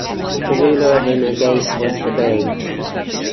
The ruler of the Nogais was the Bey.